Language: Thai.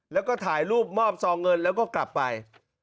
แล้วก็ถ่ายรูปมอบซองเงินแล้วก็กลับไป